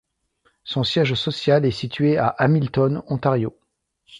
Son siège social est situé à Hamilton, Ontario.